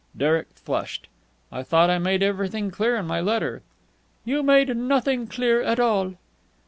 Derek flushed. "I thought I made everything clear in my letter." "You made nothing clear at all."